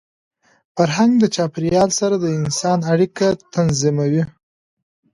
فرهنګ د چاپېریال سره د انسان اړیکه تنظیموي.